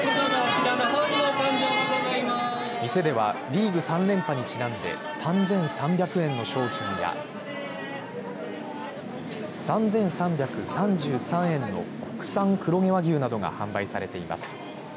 店ではリーグ３連覇にちなんで３３００円の商品や３３３３円の国産黒毛和牛などが販売されています。